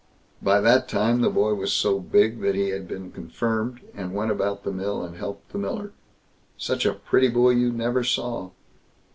By that time the boy was so big that he had been confirmed, and went about the mill and helped the miller. Such a pretty boy you never saw.